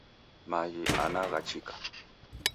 Maghi ana ghachika.